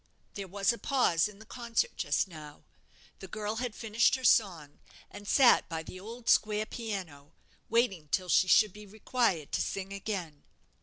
There was a pause in the concert just now. The girl had finished her song, and sat by the old square piano, waiting till she should be required to sing again.